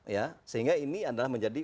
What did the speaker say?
ya sehingga ini adalah menjadi